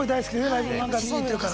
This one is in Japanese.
ライブも何回も見に行ってるから。